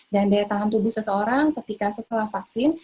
dan daya tahan tubuh seseorang ketika setelah vaksin